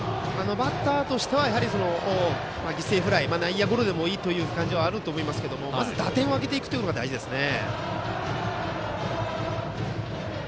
バッターとしては犠牲フライや内野ゴロでもいいという感じはあると思いますけどまず打点を挙げていくのが大事ですね。